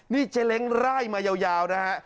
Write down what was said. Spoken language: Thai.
นี่เจ๊เล้งไล่มายาวนะฮะ